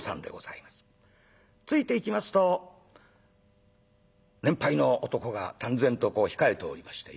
ついていきますと年配の男が端然とこう控えておりまして。